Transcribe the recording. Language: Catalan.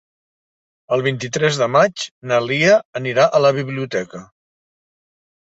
El vint-i-tres de maig na Lia anirà a la biblioteca.